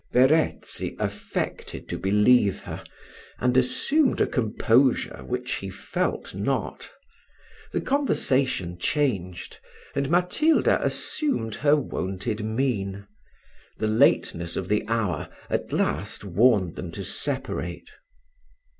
Verezzi affected to believe her, and assumed a composure which he felt not. The conversation changed, and Matilda assumed her wonted mien. The lateness of the hour at last warned them to separate.